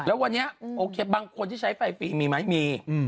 แล้ววันนี้โอเคบางคนที่ใช้ไฟฟรีมีไหมมี